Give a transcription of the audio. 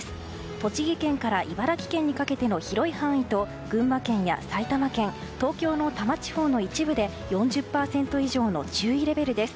栃木県から茨城県にかけての広い範囲と群馬県や埼玉県東京の多摩地方の一部で４０％以上の注意レベルです。